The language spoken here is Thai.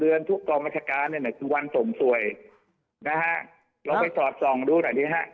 เราไปสอดส่องดูหน่อยดิฮะ